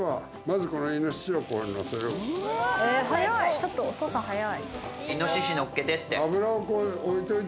ちょっとお父さん早い。